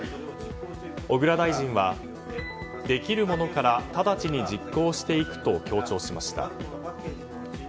小倉大臣はできるものから直ちに実行していくと強調しました。